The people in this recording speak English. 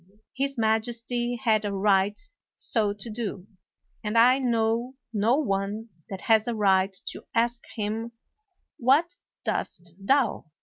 His majesty had a right so to do; and I know no one that has a right to ask him, "What doest thou?"